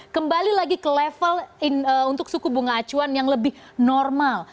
kembali lagi ke level untuk suku bunga acuan yang lebih normal